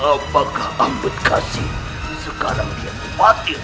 apakah amat kasih sekarang dia mematikanmu